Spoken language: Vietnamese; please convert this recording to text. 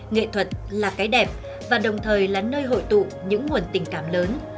nghệ thuật là cái đẹp và đồng thời là nơi hội tụ những nguồn tình cảm lớn